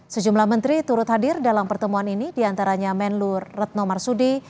sejumlah menteri turut hadir dalam pertemuan ini diantaranya menlu retno marsudi